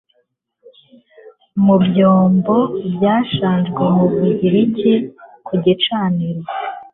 Mu byombo byashenywe mu Bugereki ku gicaniro